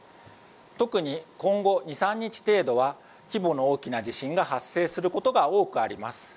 特に今後、２３日程度は規模の大きな地震が発生することが多くあります。